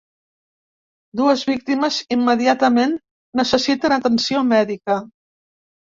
Dues víctimes immediatament necessiten atenció mèdica.